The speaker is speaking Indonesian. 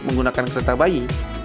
menggunakan kereta bayi